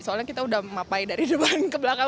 soalnya kita udah mapai dari depan ke belakang